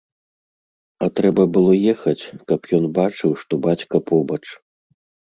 А трэба было ехаць, каб ён бачыў, што бацька побач.